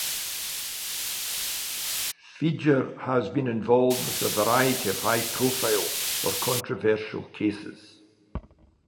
Fieger has been involved with a variety of high-profile or controversial cases.